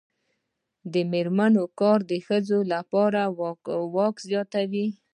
د میرمنو کار د ښځو واک زیاتوي.